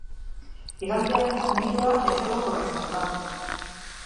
Igandean giroa ezegonkorra izango da.